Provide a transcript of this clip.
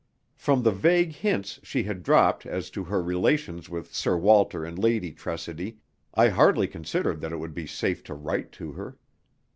From the vague hints she had dropped as to her relations with Sir Walter and Lady Tressidy, I hardly considered that it would be safe to write to her.